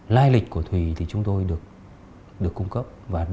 lai lịch của thùy chúng tôi được cung cấp